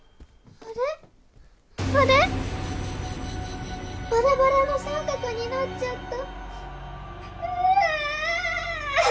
あれ⁉バラバラの三角になっちゃった。